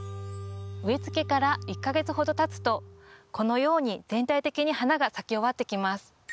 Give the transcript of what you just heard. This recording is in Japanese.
植えつけから１か月ほどたつとこのように全体的に花が咲き終わってきます。